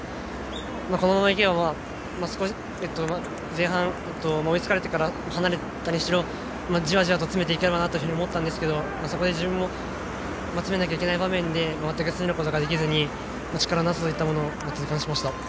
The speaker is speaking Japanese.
このままいけば前半、追いつかれてから離されたにしろじわじわと詰めていければなと思ったんですがそこで自分も詰めなきゃいけない場面で全く詰めることができずに力のなさといったものを痛感しました。